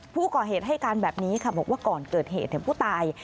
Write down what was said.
ผู้ก่อเหตุให้การแบบนี้ค่ะบอกว่าก่อนเกิดเหตุผู้ตาย